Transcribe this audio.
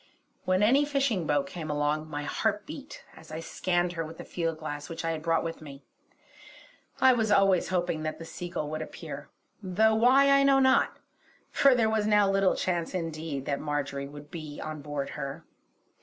When any fishing boat came along, my heart beat as I scanned her with the field glass which I had brought with me. I was always hoping that the Seagull would appear, though why I know not, for there was now little chance indeed that Marjory would be on board her.